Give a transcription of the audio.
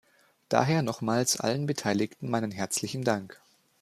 Daher nochmals allen Beteiligten meinen herzlichen Dank.